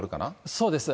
そうです。